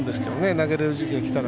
投げられる時期が来たら。